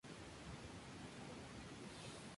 Aquí comienza el fin.